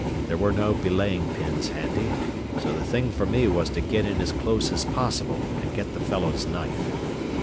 There were no belaying pins handy, so the thing for me was to get in as close as possible and get the fellow's knife.